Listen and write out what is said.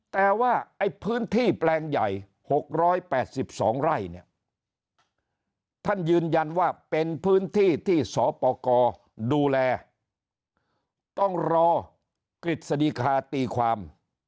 แต่ว่าไอ้พื้นที่แปลงใหญ่๖๘๒ไร่เนี่ยท่านยืนยันว่าเป็นพื้นที่ที่สปกรดูแลต้องรอกฤษฎีคาตีความ